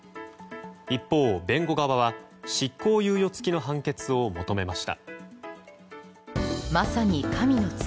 一方、弁護側は執行猶予付きの判決を求めました。